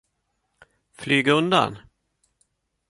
Flyg undan!